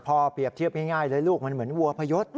เปรียบเทียบง่ายเลยลูกมันเหมือนวัวพยศ